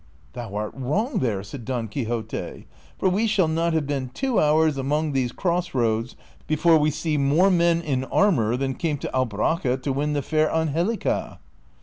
" Thou art wrong there," said Don Quixote, '' for we shall not have been two hours among these cross roads before Ave see more men in armor than came to Albraca to win the fair Angelica."